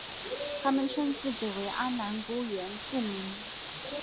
他们称自己为阿男姑原住民。